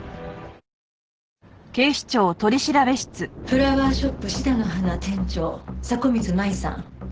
フラワーショップシダの花店長迫水舞さん。